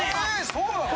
そうなの？